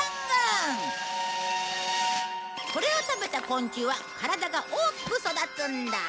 これを食べた昆虫は体が大きく育つんだ。